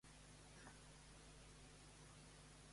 Quin tipus de vasos creava?